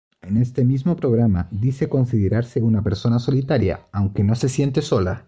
En este mismo programa dice considerarse una persona solitaria, aunque no se siente sola.